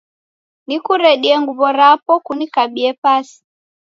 Nikuredie nguw'o rapo kunikabie pasi ?